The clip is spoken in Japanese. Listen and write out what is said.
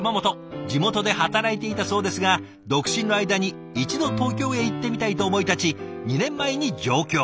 地元で働いていたそうですが独身の間に一度東京へ行ってみたいと思い立ち２年前に上京。